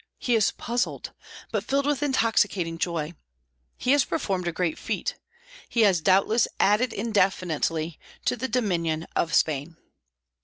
He is puzzled, but filled with intoxicating joy. He has performed a great feat. He has doubtless added indefinitely to the dominion of Spain.